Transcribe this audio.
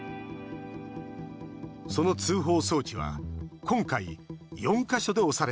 その通報装置は今回、４か所で押されました。